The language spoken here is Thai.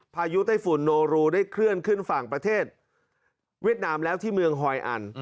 พายุไต้ฝุ่นโนรูได้เคลื่อนขึ้นฝั่งประเทศเวียดนามแล้วที่เมืองฮอยอัน